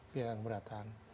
pihak yang keberatan